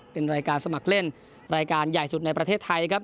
เป็นรายการสมัครเล่นรายการใหญ่สุดในประเทศไทยครับ